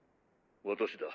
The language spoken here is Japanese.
私だ